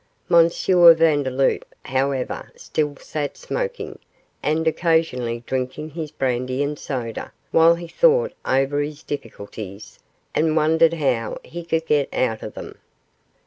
M. Vandeloup, however, still sat smoking, and occasionally drinking his brandy and soda, while he thought over his difficulties, and wondered how he could get out of them.